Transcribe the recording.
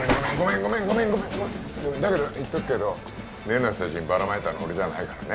ごめんごめんごめんだけど言っとくけど例の写真ばらまいたの俺じゃないからね